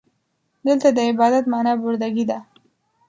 دلته د عبادت معنا برده ګي ده.